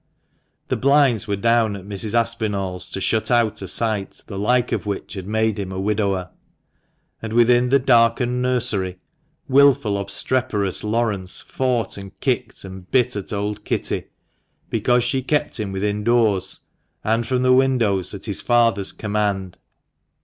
The blinds were down at Mr. Aspinall's to shut out a sight the like of which had made him a widower ; and within the darkened nursery, wilful, obstreperous Laurence fought and kicked and bit THE MANCHESTER MAN. 57 at old Kitty, because she kept him within doors and from the windows at his father's command.